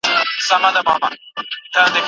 ګلالۍ په مینه چای ورته ډک کړ.